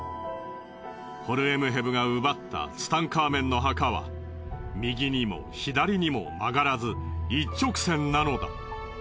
ホルエムヘブが奪ったツタンカーメンの墓は右にも左にも曲がらず一直線なのだ。